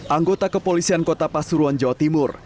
anggota kepolisian kota pasuruan jawa timur